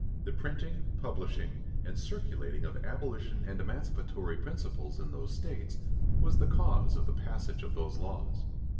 _ The printing, publishing, and circulating of abolition and emancipatory principles in those states, was the cause of the passage of those laws.